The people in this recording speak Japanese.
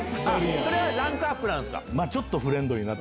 それはランクアップなんすか？